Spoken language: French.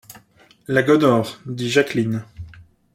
La Gonore, dit Jacqueline.